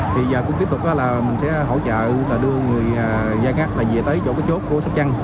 thì giờ cũng tiếp tục là mình sẽ hỗ trợ đưa người giai ngắc về tới chỗ cái chốt của sóc trăng